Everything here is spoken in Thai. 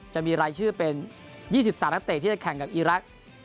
จะมีรายชื่อเป็น๒๓นักเตะที่จะแข่งกับอีรักษ์